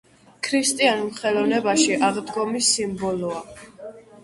ქრისტიანულ ხელოვნებაში აღდგომის სიმბოლოა.